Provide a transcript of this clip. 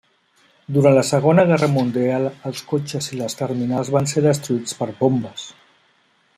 Durant la Segona Guerra Mundial els cotxes i les terminals van ser destruïts per bombes.